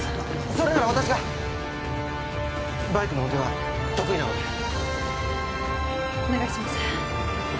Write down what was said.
それなら私がバイクの運転は得意なのでお願いします